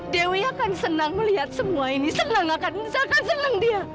dewi akan senang melihat semua ini senang akan senang dia